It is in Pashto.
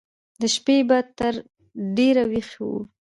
د شپې به تر ډېره ويښ و.